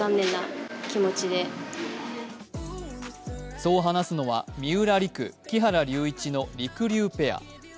そう話すのは三浦璃来・木原龍一のりくりゅうペア。